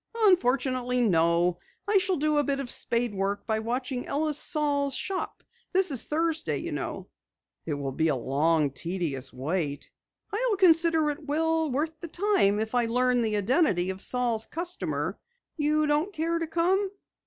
"Unfortunately, no. I shall do a bit of spade work by watching Ellis Saal's shop. This is Thursday, you know." "It will be a long, tedious wait." "I'll consider it well worth the time if I learn the identity of Saal's customer. You don't care to come?"